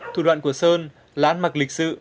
thủ đoạn của sơn là ăn mặc lịch sự